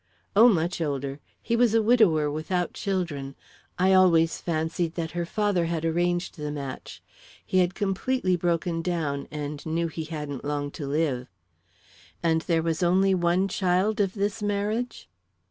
"Oh, much older. He was a widower, without children. I always fancied that her father had arranged the match. He had completely broken down, and knew he hadn't long to live." "And there was only one child of this marriage?"